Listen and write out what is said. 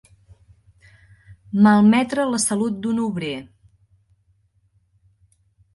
Malmetre la salut d'un obrer.